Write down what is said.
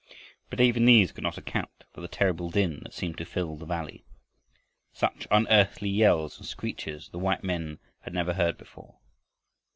But even these could not account for the terrible din that seemed to fill the valley. Such unearthly yells and screeches the white men had never heard before.